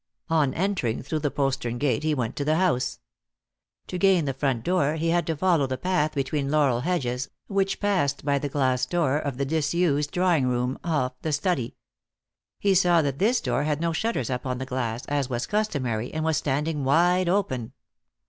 On entering through the postern gate he went to the house. To gain the front door he had to follow the path between laurel hedges, which passed by the glass door of the disused drawing room, off the study. He saw that this door had no shutters up on the glass, as was customary, and was standing wide open.